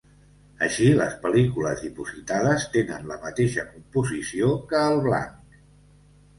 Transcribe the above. Així, les pel·lícules dipositades tenen la mateixa composició que el blanc.